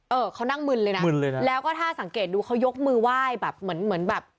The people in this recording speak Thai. เออเขานั่งมึนเลยนะแล้วก็ถ้าสังเกตดูเขายกมือไหว้แบบเหมือนแบบ